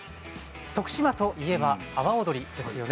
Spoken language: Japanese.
徳島といえば阿波踊りですよね